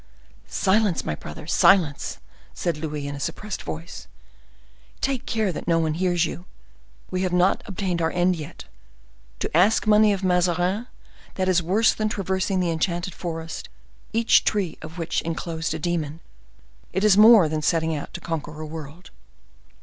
"Silence, my brother,—silence!" said Louis, in a suppressed voice. "Take care that no one hears you! We have not obtained our end yet. To ask money of Mazarin—that is worse than traversing the enchanted forest, each tree of which inclosed a demon. It is more than setting out to conquer a world."